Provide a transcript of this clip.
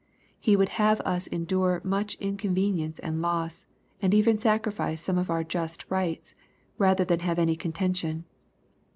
He would have us endure much incon venience and loss, and even sacrifice some of our just rights^ rather than have any contention.